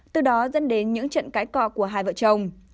từ đó dẫn đến những trận cãi cò của hai vợ chồng